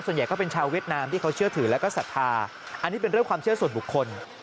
ส่วนใหญ่ก็เป็นชาวเวียดนามที่เขาเชื่อถือแล้วก็ศรัทธาอันนี้เป็นเรื่องความเชื่อส่วนบุคคล